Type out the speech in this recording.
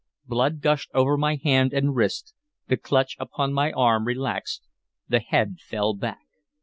Blood gushed over my hand and wrist, the clutch upon my arm relaxed, the head fell back.